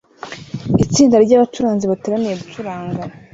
Itsinda ryabacuranzi bateraniye gucuranga